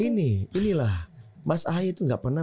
ini inilah mas ahy itu nggak pernah